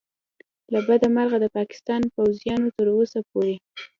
له بده مرغه د پاکستان پوځیانو تر اوسه پورې